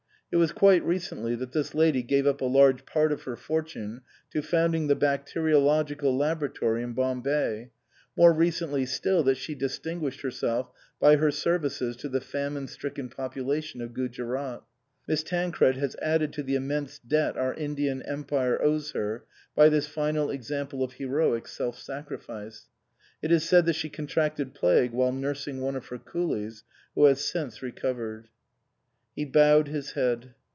It was quite recently that this lady gave up a large part of her fortune to founding the Bacteriological Laboratory in Bombay, more recently still that she distinguished herself by her services to the famine stricken population of Gujerat. Miss Tancred has added to the immense debt our Indian Empire owes her by this final example of heroic self sacrifice. It is said that she contracted plague while nursing one of her coolies, who has since recovered." He bowed his head.